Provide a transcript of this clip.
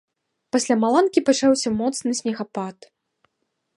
Пасля маланкі пачаўся моцны снегапад.